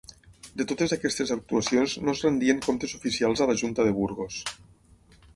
De totes aquestes actuacions no es rendien comptes oficials a la Junta de Burgos.